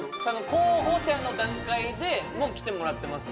候補生の段階でも来てもらってます